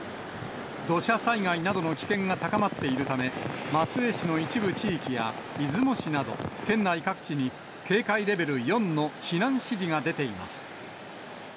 土砂災害などの危険が高まっているため、松江市の一部地域や出雲市など、県内各地に警戒レベル４の避難指示が出ています。